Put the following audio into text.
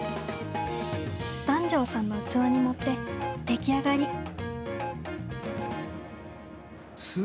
檀上さんの器に盛って出来上がり。